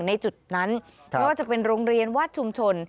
ในจุดนั้นไม่ว่าจะเป็นโรงเรียนวัดชุมชน